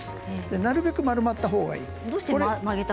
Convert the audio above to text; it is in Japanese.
なるべく丸まったほうがいい。